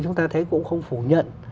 chúng ta thấy cũng không phủ nhận